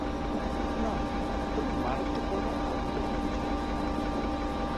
না, তবে মারাত্মকভাবে আহত হয়েছিলো।